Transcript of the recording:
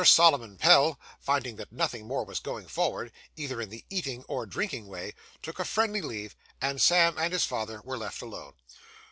Solomon Pell, finding that nothing more was going forward, either in the eating or drinking way, took a friendly leave, and Sam and his father were left alone.